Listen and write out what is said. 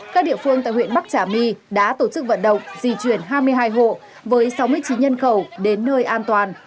các địa phương tại huyện bắc trà my đã tổ chức vận động di chuyển hai mươi hai hộ với sáu mươi chín nhân khẩu đến nơi an toàn